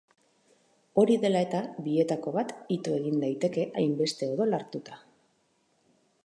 Hori dela eta, bietako bat ito egin daiteke hainbeste odol hartuta.